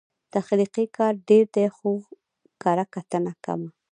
تخلیقي کار ډېر دی، خو کرهکتنه کمه